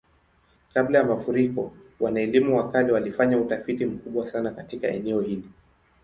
Kabla ya mafuriko, wana-elimu wa kale walifanya utafiti mkubwa sana katika eneo hili.